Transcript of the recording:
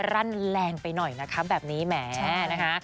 รั่นแรงไปหน่อยนะคะแบบนี้แหมนะคะ